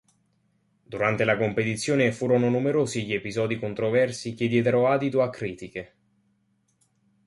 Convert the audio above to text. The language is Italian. Durante la competizione furono numerosi gli episodi controversi che diedero adito a critiche.